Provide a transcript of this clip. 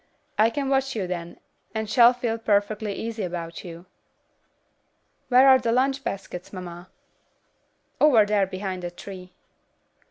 I can watch you then, and shall feel perfectly easy about you." "Where are the lunch baskets, mamma?" "Over there behind that tree."